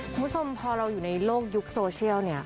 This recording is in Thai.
คุณผู้ชมพอเราอยู่ในโลกยุคโซเชียลเนี่ย